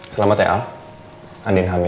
selamat ya al andien hamil